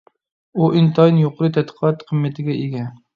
ئۇ ئىنتايىن يۇقىرى تەتقىقات قىممىتىگە ئىگە.